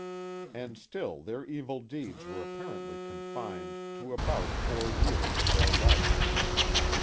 And still their evil deeds were apparently confined to about four years of their life.